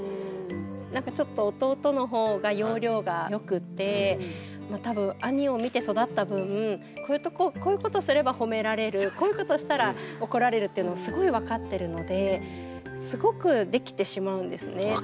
なんかちょっと弟の方が要領が良くて多分兄を見て育った分こういうことすればほめられるこういうことしたら怒られるっていうのをすごい分かってるのですごくできてしまうんですね。